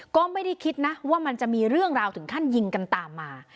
ก็ไม่ได้คิดนะว่ามันจะมีเรื่องราวถึงขั้นยิงกันตามมา